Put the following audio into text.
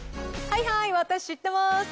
はいはい私知ってます！